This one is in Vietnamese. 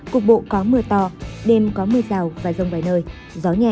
cục bộ có mưa to đêm có mưa rào và rông vài nơi gió nhẹ